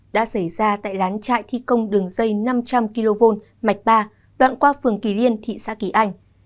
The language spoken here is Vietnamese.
đã xảy ra tại lán trại thi công đường dây năm trăm linh kv mạch ba đoạn qua phường kỳ liên thị xã kỳ anh